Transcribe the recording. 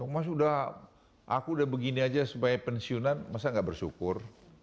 mas aku udah begini aja sebagai pensiunan masa nggak bersyukur